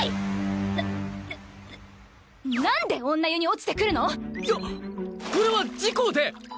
ななななんで女湯に落ちてくるの⁉いやこれは事故で。